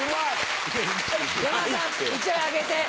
山田さん１枚あげて。